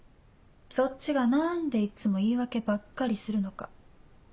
そっちがなんでいっつも言い訳ばっかりするのか。